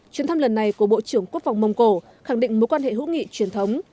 chuyến thăm lần này của bộ trưởng quốc phòng mông cổ khẳng định mối quan hệ hữu nghị truyền thống